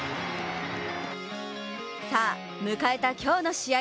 さあ、迎えた今日の試合